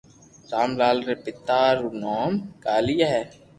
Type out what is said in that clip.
رام لال ري پيتا رو نوم ڪاليي ھي